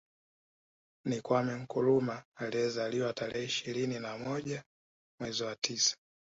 Ni Kwame Nkrumah aliyezaliwa tarehe ishirini na moja mwezi wa tisa